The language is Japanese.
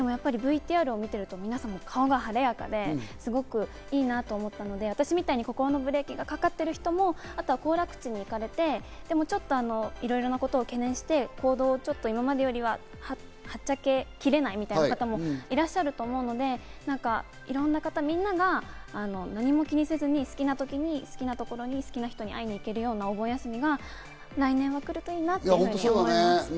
でもＶＴＲを見ていると、皆さん顔が晴れやかで、すごくいいなと思ったので、私みたいに心のブレーキがかかっている人もあとは行楽地に行かれて、でもちょっといろいろなことを懸念して、行動を今までよりははっちゃけきれないみたいな方もいらっしゃると思うので、いろんな方、みんなが何も気にせずに好きな時に好きなところに好きな人に会いに行けるようなお盆休みが来年は来るといいなって思います。